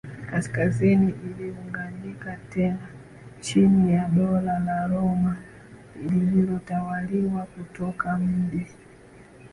Kaskazini iliunganika tena chini ya Dola la Roma lililotawaliwa kutoka mji